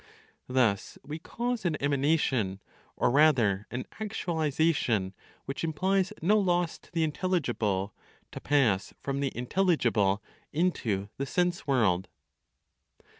Thus we cause an emanation, or rather an actualization which implies no loss to the intelligible, to pass from the intelligible into the sense world.